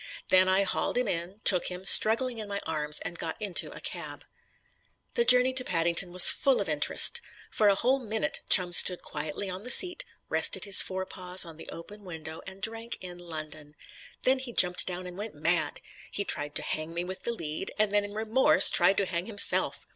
Then I hauled him in, took him, struggling, in my arms and got into a cab. The journey to Paddington was full of interest. For a whole minute Chum stood quietly on the seat, rested his fore paws on the open window and drank in London. Then he jumped down and went mad. He tried to hang me with the lead, and then in remorse tried to hang himself.